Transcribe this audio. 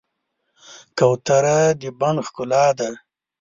کوتره د بڼ ښکلا ده.